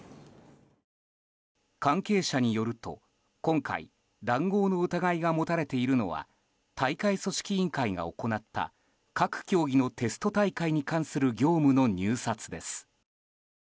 関係者によると、今回談合の疑いが持たれているのは大会組織委員会が行った各競技のテスト大会に関する業務の入札です。